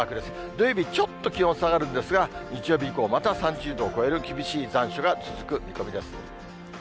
土曜日、ちょっと気温下がるんですが、日曜日以降、また３０度を超える厳しい残暑が続く見込みです。